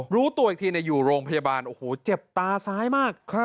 รู้ตัวอีกทีอยู่โรงพยาบาลโอ้โหเจ็บตาซ้ายมาก